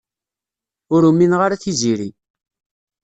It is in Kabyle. Ur umineɣ ara Tiziri.